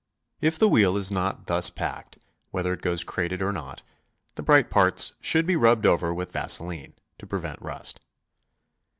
If the wheel is not thus packed, whether it goes crated or not, the bright parts should be rubbed over with vaseline to prevent rust.